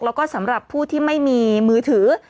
แล้วก็สำหรับผู้ที่ไม่มีมือถือ